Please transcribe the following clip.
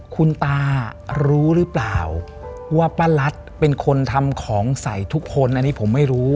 คุณตารู้หรือเปล่าว่าป้ารัฐเป็นคนทำของใส่ทุกคนอันนี้ผมไม่รู้